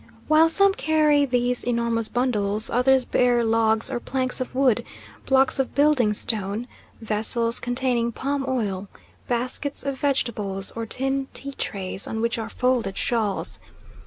While some carry these enormous bundles, others bear logs or planks of wood, blocks of building stone, vessels containing palm oil, baskets of vegetables, or tin tea trays on which are folded shawls.